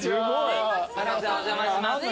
お邪魔します。